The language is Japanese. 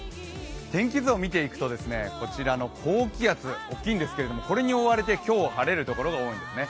天気図を見ていくと、こちらの高気圧、大きいんですけどこれに覆われて今日は晴れるところが多いんですね。